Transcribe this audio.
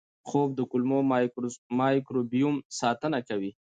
خوب د کولمو مایکروبیوم ساتنه کوي.